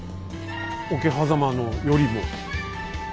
桶狭間のよりも？